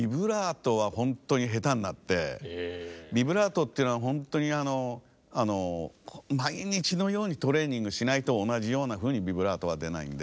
ビブラートっていうのは本当に毎日のようにトレーニングしないと同じようなふうにビブラートは出ないんで。